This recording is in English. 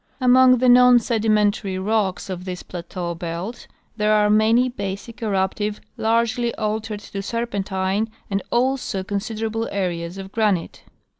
Among the non sedimentary rocks of this plateau belt there are many basic eruptives largely altered to serpentine, and also considerable areas of granite.